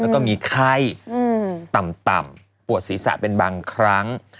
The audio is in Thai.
แล้วก็มีไข้ต่ำปวดศีรษะเป็นบางครั้ง